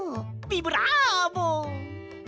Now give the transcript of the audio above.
ビブラーボ！